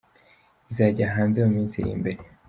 Izajya hanze mu minsi iri imbere.